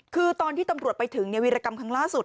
คือตอนที่ตำรวจไปถึงวิรกรรมครั้งล่าสุด